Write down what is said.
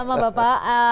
terima kasih ya